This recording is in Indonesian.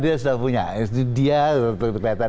dia sudah punya jadi dia kelihatan